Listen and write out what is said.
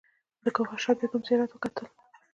د ګوهر شاد بیګم زیارت وکتل.